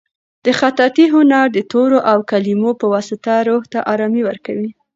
د خطاطۍ هنر د تورو او کلیمو په واسطه روح ته ارامي ورکوي.